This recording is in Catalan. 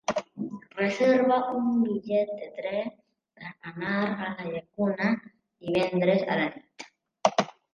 Reserva'm un bitllet de tren per anar a la Llacuna divendres a la nit.